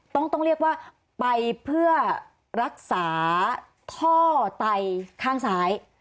ต้องเรียกว่าไปเพื่อรักษาท่อไตข้างซ้าย